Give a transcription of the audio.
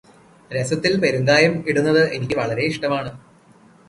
രസത്തിൽ പെരുങ്കായം ഇടുന്നത് എനിക്കു വളരെയിഷ്ടമാണ്.